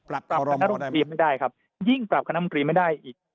กลับคอลอมอได้ไหมยิ่งกลับคณะมนตรีไม่ได้อีก